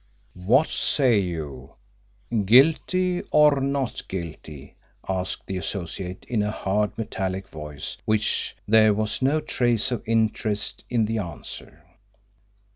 "What say you: guilty or not guilty?" asked the Associate in a hard metallic voice in which there was no trace of interest in the answer.